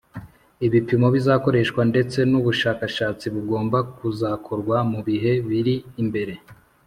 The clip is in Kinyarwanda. ibipimo bizakoreshwa ndetse n'ubushakashatsi bugomba kuzakorwa mu bihe biri imbere